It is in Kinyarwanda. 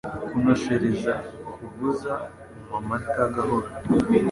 Kunoshereza Kuvuza umamata, gahoro